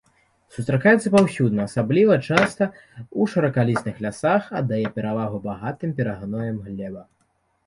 Сустракаецца паўсюдна, асабліва часта ў шыракалістых лясах, аддае перавагу багатым перагноем глебам.